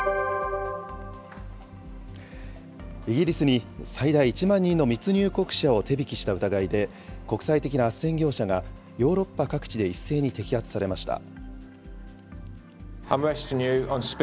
イギリスに最大１万人の密入国者を手引きした疑いで、国際的なあっせん業者がヨーロッパ各地で一斉に摘発されました。